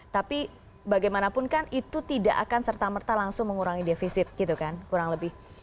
tapi bagaimanapun kan itu tidak akan serta merta langsung mengurangi defisit gitu kan kurang lebih